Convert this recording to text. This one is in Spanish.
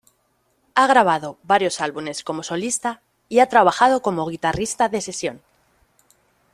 Ha grabado varios álbumes como solista y ha trabajado como guitarrista de sesión.